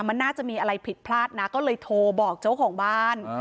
มันน่าจะมีอะไรผิดพลาดนะก็เลยโทรบอกเจ้าของบ้าน